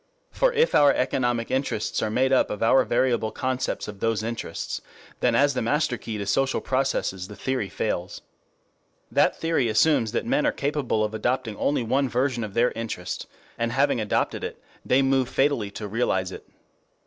For if our economic interests are made up of our variable concepts of those interests, then as the master key to social processes the theory fails. That theory assumes that men are capable of adopting only one version of their interest, and that having adopted it, they move fatally to realize it.